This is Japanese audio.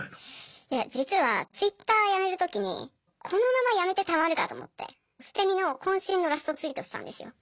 いや実はＴｗｉｔｔｅｒやめる時にこのままやめてたまるかと思って捨て身の渾身のラストツイートしたんですよ。